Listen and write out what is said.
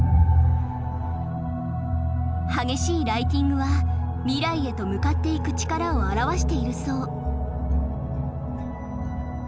激しいライティングは未来へと向かっていく力を表しているそう。